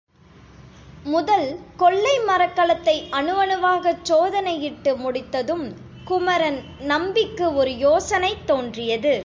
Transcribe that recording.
முதல் கொள்ளை மரக்கலத்தை அணு அணுவாகச் சோதனையிட்டு முடித்ததும் குமரன் நம்பிக்கு ஒரு யோசனை தோன்றியது.